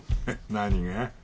何が？